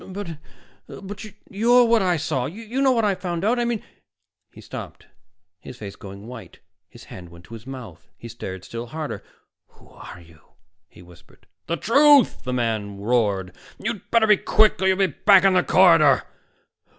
"But but you're what I saw. You know what I found out. I mean " He stopped, his face going white. His hand went to his mouth, and he stared still harder. "Who are you?" he whispered. "The truth!" the man roared. "You'd better be quick, or you'll be back in the corridor."